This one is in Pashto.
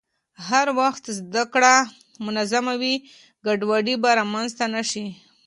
هر وخت چې زده کړه منظم وي، ګډوډي به رامنځته نه شي.